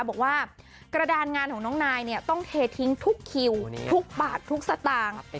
บอกว่ากระดานงานของน้องนายเนี่ยต้องเททิ้งทุกคิวทุกบาททุกสตางค์